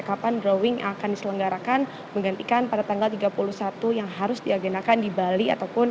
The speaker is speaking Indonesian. kapan drawing akan diselenggarakan menggantikan pada tanggal tiga puluh satu yang harus diagendakan di bali